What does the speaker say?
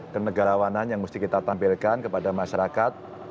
kenegarawanan yang mesti kita tampilkan kepada masyarakat